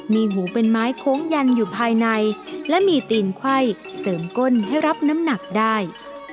มีหูเป็นไม้โค้งยันอยู่ภายในและมีตีนไขว้เสริมก้นให้รับน้ำหนักได้